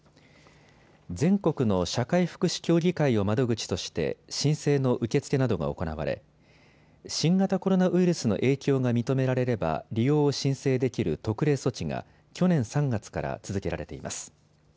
全国の社会福祉協議会を窓口として申請の受け付けなどが行われ新型コロナウイルスの影響が認められれば利用を申請できる特例措置が去年３月から続けられています。